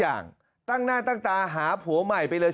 แถลงการแนะนำพระมหาเทวีเจ้าแห่งเมืองทิพย์